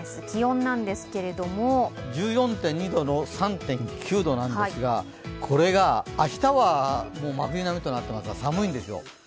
気温なんですけれども１４．２度の３．９度なんですが、これが明日は真冬並みとなってますが寒いんですよ。